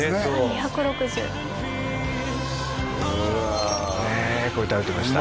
２６０これ食べてました